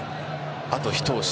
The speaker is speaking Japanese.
あと一押し。